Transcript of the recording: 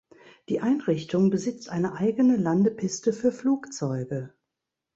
Die Einrichtung besitzt eine eigene Landepiste für Flugzeuge.